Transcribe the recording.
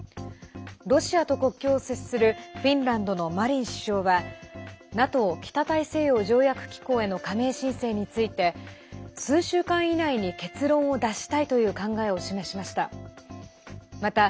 ロシアと国境を接するフィンランドのマリン首相はＮＡＴＯ＝北大西洋条約機構への加盟申請について数週間以内に結論を出したいという考えを示しました。